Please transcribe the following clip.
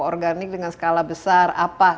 pupuk organik dengan skala besar